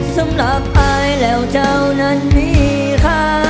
สำหรับอายแล้วเจ้านั้นมีค่ะ